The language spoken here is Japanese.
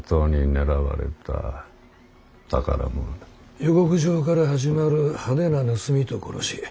予告状から始まる派手な盗みと殺し。